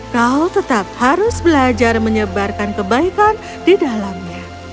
kau tetap harus belajar menyebarkan kebaikan di dalamnya